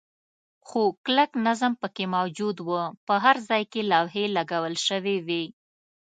خو کلک نظم پکې موجود و، په هر ځای کې لوحې لګول شوې وې.